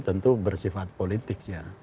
tentu bersifat politik